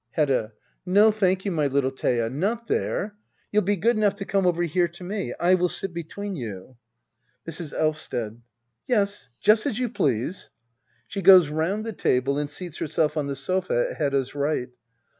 Hedda. No, thank you, my little Thea ! Not there! You'll be good enough to come over here to me. I will sit between you. Mrs. Elvsted. Yes, just as you please. [She goes round the table atid seats herself on the sofa on Hedda's right.